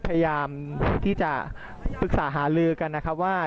พยายามที่จะปรึกษาหาลือกันนะครับว่า